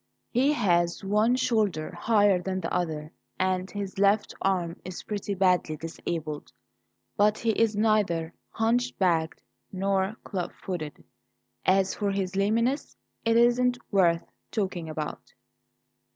He has one shoulder higher than the other, and his left arm is pretty badly disabled, but he's neither hunchbacked nor clubfooted. As for his lameness, it isn't worth talking about."